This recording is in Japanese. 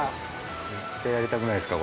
めっちゃやりたくないですか？